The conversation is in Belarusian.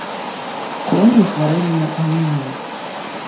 Коні хварэлі на анемію.